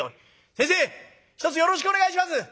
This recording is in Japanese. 「先生ひとつよろしくお願いします。